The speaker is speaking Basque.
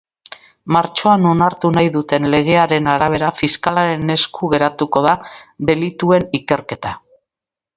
Martxoan onartu nahi duten legearen arabera, fiskalaren esku geratuko da delituen ikerketa.